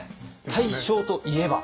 大正といえば？